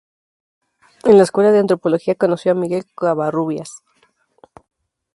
En la Escuela de Antropología conoció a Miguel Covarrubias.